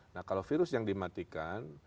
nah kalau virus yang dimatikan